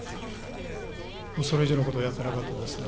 それ以上のことはやってなかったですね。